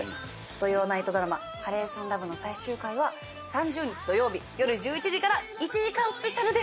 土曜ナイトドラマ『ハレーションラブ』の最終回は３０日土曜日よる１１時から１時間スペシャルです。